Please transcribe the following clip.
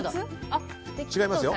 違いますよ。